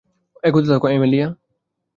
এগোতে থাকো, অ্যামেলিয়া।